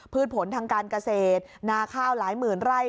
ผลทางการเกษตรนาข้าวหลายหมื่นไร่